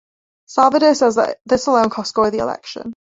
Salvado says that this alone cost Gore the election.